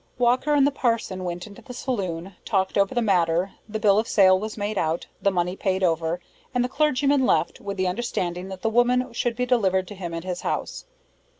Walker and the parson went into the saloon, talked over the matter, the bill of sale was made out, the money paid over, and the clergyman left, with the understanding that the woman should be delivered to him at his house.